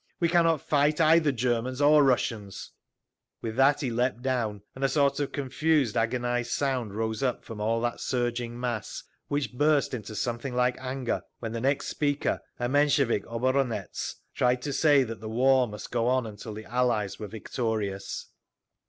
We cannot fight either Germans or Russians—" With that he leaped down, and a sort of confused agonised sound rose up from all that surging mass, which burst into something like anger when the next speaker, a Menshevik oboronetz, tried to say that the war must go on until the Allies were victorious.